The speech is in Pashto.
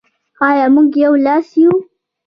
آیا موږ یو لاس یو؟